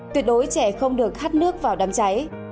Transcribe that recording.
tuyệt đối trẻ không được hắt nước vào đám cháy